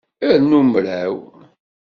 Rnu mraw.